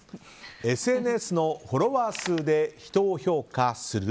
ＳＮＳのフォロワー数で人を評価する？